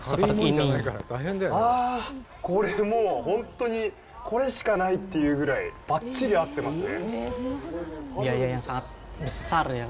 あー、これ、もう本当にこれしかないっていうぐらいばっちり合ってますね。